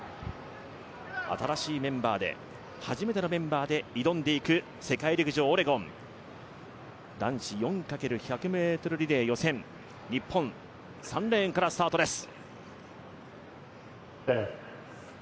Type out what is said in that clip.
新しいメンバーで、初めてのメンバーで挑んでいく世界陸上オレゴン、男子４×１００ｍリレー予選、日本、３レーンからスタートです。